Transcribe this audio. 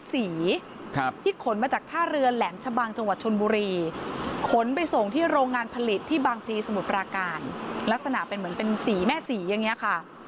สมุดปราการลักษณะเป็นเหมือนเป็นสีแม่สีอย่างนี้ค่ะ